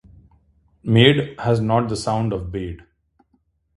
Made has not the sound of bade